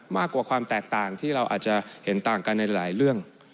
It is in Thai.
มากกว่าความแตกต่างที่เราอาจจะเห็นต่างกันในหลายเรื่อง